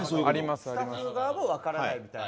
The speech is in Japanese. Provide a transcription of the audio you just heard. スタッフ側も分からないみたいな。